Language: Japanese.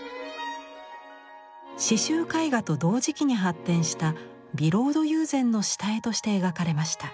刺繍絵画と同時期に発展したビロード友禅の下絵として描かれました。